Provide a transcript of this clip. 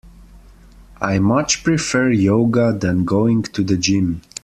I much prefer yoga than going to the gym